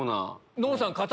ノブさん